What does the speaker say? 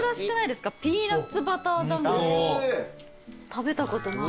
食べたことない。